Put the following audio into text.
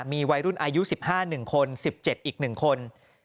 มีวัยรุ่นอายุ๑๕๑คน๑๗อีก๑คน